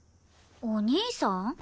お兄さん？